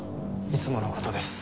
いつもの事です。